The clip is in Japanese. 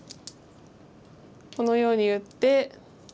このように打って。